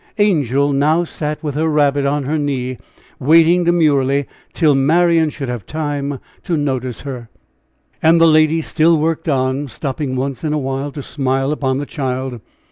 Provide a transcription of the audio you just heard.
Angel now sat with her rabbit on her knees, waiting demurely till Marian should have time to notice her. And the lady still worked on, stopping once in a while to smile upon the child.